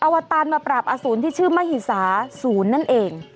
วตารมาปราบอสูรที่ชื่อมหิสาศูนย์นั่นเอง